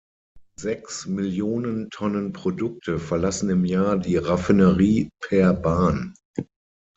Sechs Millionen Tonnen Produkte verlassen im Jahr die Raffinerie per Bahn.